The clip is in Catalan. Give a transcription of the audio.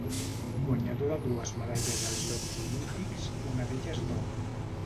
Guanyador de dues medalles als Jocs Olímpics, una d'elles d'or.